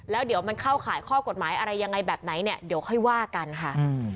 แล้วเดี๋ยวมันเข้าข่ายข้อกฎหมายอะไรยังไงแบบไหนเนี่ยเดี๋ยวค่อยว่ากันค่ะ